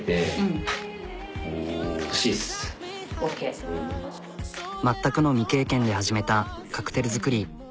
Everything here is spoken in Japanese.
で全くの未経験で始めたカクテル作り。